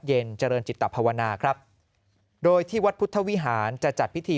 เย็นเจริญจิตภาวนาครับโดยที่วัดพุทธวิหารจะจัดพิธี